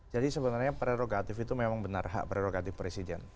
jadi sebenarnya prerogatif itu memang benar hak prerogatif presiden